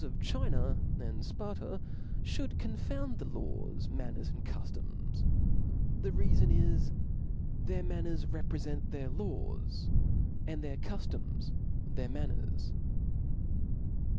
of China and Sparta Ihould confouftd the lawt,^ manners, aind cuftoms : the reafen is, their man ners repreient their laws, and their cufto'ms cheir manners.